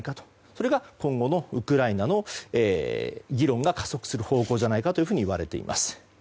それが今後のウクライナの議論が加速する方向だといわれています。